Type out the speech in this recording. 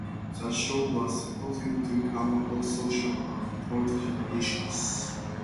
The show was supposed to cover hot social and political issues.